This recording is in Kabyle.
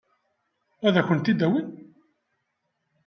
Ad kent-t-id-awin?